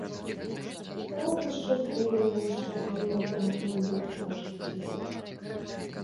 О, вы шчаслівыя і нешчаслівыя дзянькі ў людскім жыцці!